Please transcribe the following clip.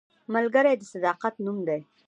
ملګری د صداقت نوم دی